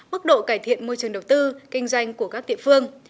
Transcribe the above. mức độ cải thiện môi trường đầu tư kinh doanh của các địa phương